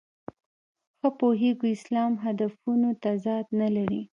ښه پوهېږو اسلام هدفونو تضاد نه لري.